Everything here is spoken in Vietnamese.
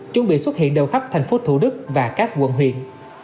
chuẩn bị xuất hiện đều khắp thành phố thủ đức và các quận huyện